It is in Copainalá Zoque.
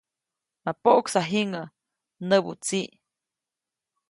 ‒ma poʼksa jiŋäʼ‒ näbu tsiʼ.